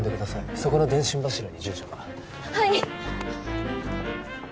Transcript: そこの電信柱に住所がはい！